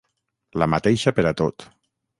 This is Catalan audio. La mateixa per a tot.